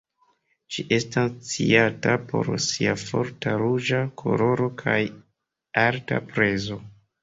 Ĝi estas sciata por sia forta ruĝa koloro kaj alta prezo.